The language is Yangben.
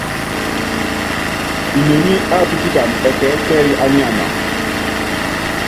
Inoní á pítikan ɛkɛɛ́ kɛ́y á niana.